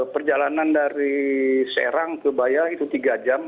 perjalanan dari serang ke baya itu tiga jam